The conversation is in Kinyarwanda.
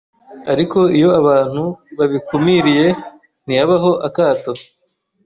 Ariko iyo abantu babikumiriye, ntihabeho akato